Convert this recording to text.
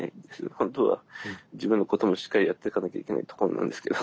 本当は自分のこともしっかりやっていかなきゃいけないところなんですけど。